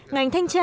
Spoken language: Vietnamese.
ngành thanh tra